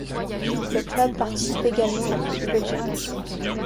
Le club participe également à la Coupe de Belgique.